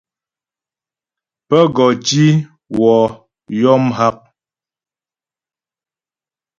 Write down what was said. Pə́ gɔ tǐ wɔ yɔ mghak.